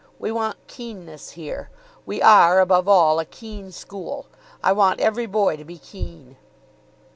We want keenness here. We are, above all, a keen school. I want every boy to be keen."